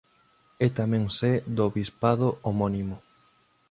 É tamén sé do bispado homónimo.